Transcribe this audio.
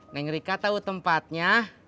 neng rika tau tempatnya